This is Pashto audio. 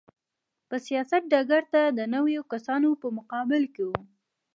په سیاست ډګر ته د نویو کسانو په مقابل کې و.